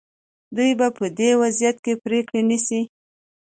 دوی به په دې وضعیت کې پرېکړه نیسي.